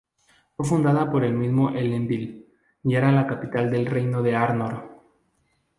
Fue fundada por el mismo Elendil y era la capital del reino de Arnor.